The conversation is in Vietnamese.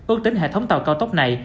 ước tính hệ thống tàu cao tốc này